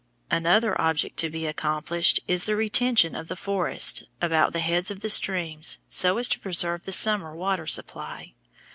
Another object to be accomplished is the retention of the forests about the heads of the streams so as to preserve the summer water supply.